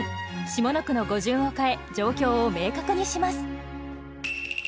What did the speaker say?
下の句の語順を変え状況を明確にします。